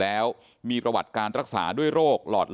แล้วก็ช่วยกันนำนายธีรวรรษส่งโรงพยาบาล